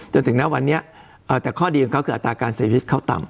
จนถึงณวันนี้แต่ข้อดีของเขาคืออัตราการเสียชีวิตเขาต่ำ